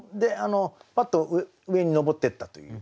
ぱっと上に昇ってったという。